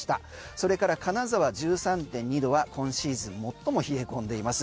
それから金沢１３．２度は今シーズン最も冷え込んでいます